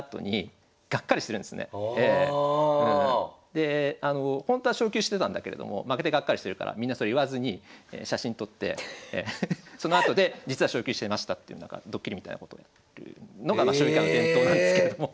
でほんとは昇級してたんだけれども負けてがっかりしてるからみんなそれ言わずに写真撮ってそのあとで実は昇級してましたっていうなんかドッキリみたいなことをやってるのがまあ将棋界の伝統なんですけれども。